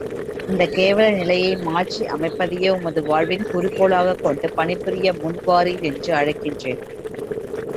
இந்தக் கேவல நிலையை மாற்றி அமைப்பதையே உமது வாழ்க்கையின் குறிக்கோளாகக் கொண்டு பணிபுரிய முன் வாரீர் என்று அழைக்கிறேன்.